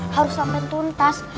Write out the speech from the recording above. harus sampai tuntas